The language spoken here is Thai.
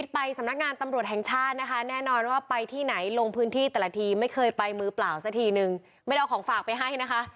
ไปสำนักงานตำรวจแห่งชาตินะคะแน่นอนว่าไปที่ไหนลงพื้นที่แต่ละทีไม่เคยไปมือเปล่าสักทีนึงไม่ได้เอาของฝากไปให้นะคะ